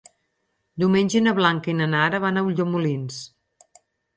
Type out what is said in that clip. Diumenge na Blanca i na Nara van a Ulldemolins.